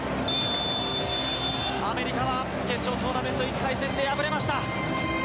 アメリカは決勝トーナメント１回戦で敗れました。